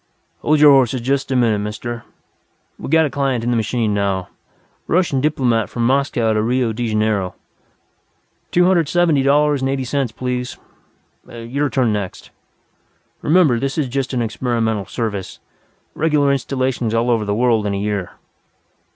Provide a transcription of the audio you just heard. "Hold your horses just a minute, Mister. We got a client in the machine now. Russian diplomat from Moscow to Rio de Janeiro.... Two hundred seventy dollars and eighty cents, please.... Your turn next. Remember this is just an experimental service. Regular installations all over the world in a year....